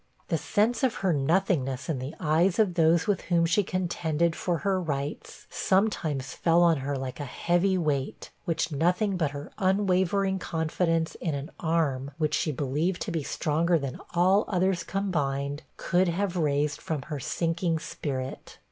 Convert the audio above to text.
The sense of her nothingness in the eyes of those with whom she contended for her rights, sometimes fell on her like a heavy weight, which nothing but her unwavering confidence in an arm which she believed to be stronger than all others combined could have raised from her sinking spirit.